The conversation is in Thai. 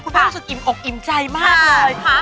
คุณแม่รู้สึกอิ่มออกอิ่มใจมากเลย